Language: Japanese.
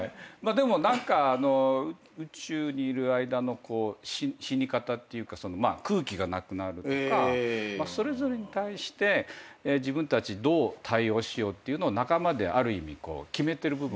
でも宇宙にいる間の死に方っていうか空気がなくなるとかそれぞれに対して自分たちどう対応しようっていうの仲間である意味決めてる部分もあるので。